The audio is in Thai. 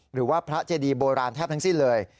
หรือว่าพระเจดีโบราณแทบทั้งสิ้นเลย